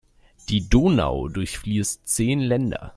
Die Donau durchfließt zehn Länder.